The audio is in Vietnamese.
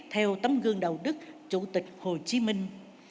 theo tấm gương đạo đức chủ tịch hồ chí minh